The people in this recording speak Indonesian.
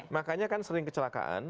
makanya kan sering kecelakaan